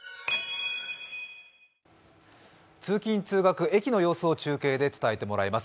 通勤・通学、駅の様子を伝えてもらいます。